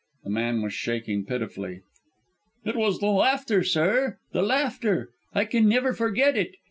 The man was shaking pitifully. "It was the laughter, sir! the laughter! I can never forget it!